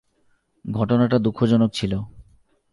ঘটনাটা দুঃখজনক ছিল।